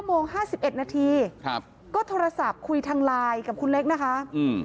๙โมง๕๑นาทีก็โทรศัพท์คุยทางไลน์กับคุณเล็กนะคะ